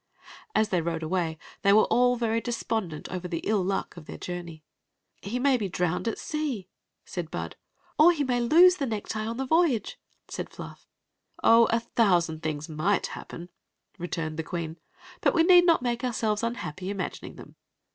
As they rode away they were all very despondent over the ill luck of their journey. "He may be drowned at sea," said Bud. " Or he may lose the necktie on the voyage," said Fluff. "Oh, a thousand things might happen," returned the queen; "but we need not make ourselves unhappy imagining them.